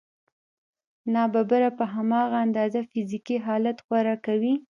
ناببره په هماغه اندازه فزیکي حالت غوره کوي